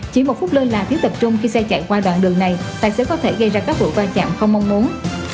chỉ một phút lơ là cứ tập trung khi xe chạy qua đoạn đường này tài xế có thể gây ra các vụ va chạm không mong muốn